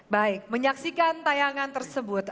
baik menyaksikan tayangan tersebut